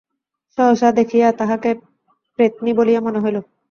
সহসা দেখিয়া, তাহাকে প্রেতনী বলিয়া মনে হইল।